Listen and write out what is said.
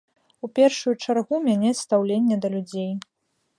У першую чаргу мяняць стаўленне да людзей.